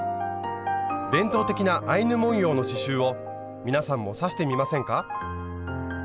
伝統的なアイヌ文様の刺しゅうを皆さんも刺してみませんか？